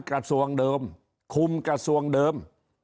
กระทรวงเดิมคุมกระทรวงเดิม